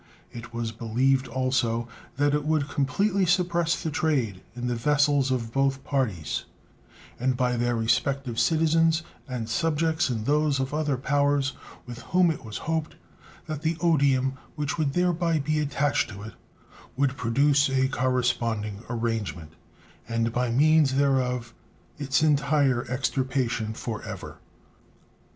It was believed, also, that it would completely suppress the trade in the vessels of both parties, and by their respective citizens and subjects in those of other powers, with whom it was hoped that the odium which would thereby be attached to it would produce a corresponding arrangement, and by means thereof its entire extirpation forever.